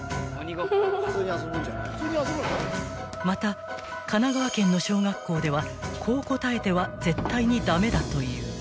［また神奈川県の小学校ではこう答えては絶対に駄目だという］